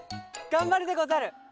がんばるでござる！